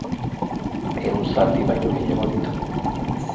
Ehun zaldi baino gehiago ditugu.